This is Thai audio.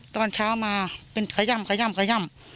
ตอนเช้ามาเป็นขย่ำ